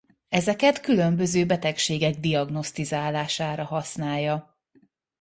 Ezeket különböző betegségek diagnosztizálására használja.